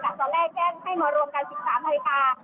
แต่ตอนแรกแจ้งให้มารวมการสินค้าเมื่อรายการ